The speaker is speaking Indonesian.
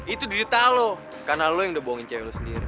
itu dirita lo karena lo yang udah bohongin cewe lo sendiri